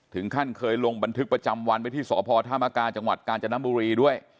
ถึงขั้นเคยลงบันทึกประจำวันไว้ที่สพธามกาจังหวัดกาญจนบุรีด้วย